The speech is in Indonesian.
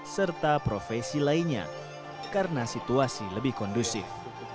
serta profesi lainnya karena situasi lebih kondusif